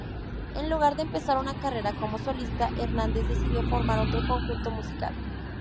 En lugar de empezar una carrera como solista, Hernández decidió formar otro conjunto musical.